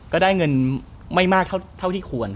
ก็ได้เงินไม่มากเท่าที่ควร